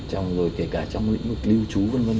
trong rồi kể cả trong lĩnh vực lưu trú v v